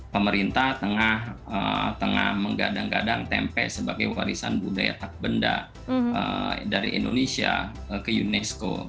pemerintah tengah menggadang gadang tempe sebagai warisan budaya tak benda dari indonesia ke unesco